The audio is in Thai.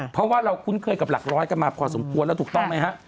เพราะว่าเราคุ้นเคยกับหลักร้อยกันมาพอสมควรแล้วถูกต้องไหมฮะ